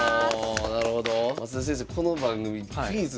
なるほど。